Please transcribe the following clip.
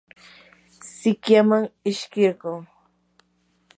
sikyaman ishkirquu.